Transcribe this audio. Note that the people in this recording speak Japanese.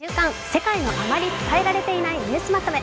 世界であまり伝えられていないニュースまとめ。